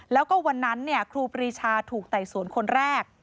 แล้วก็วันนั้นครูปรีชาถูกไต่สวนคนแรก